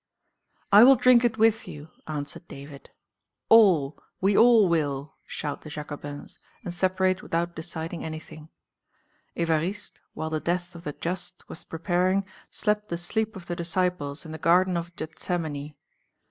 "I will drink it with you," answered David. "All, we all will!" shout the Jacobins, and separate without deciding anything. Évariste, while the death of The Just was preparing, slept the sleep of the Disciples in the garden of Gethsemane.